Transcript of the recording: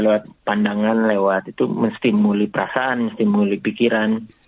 lewat pandangan lewat itu menstimuli perasaan menstimuli pikiran